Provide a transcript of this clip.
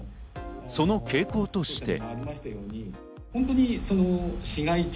その傾向として。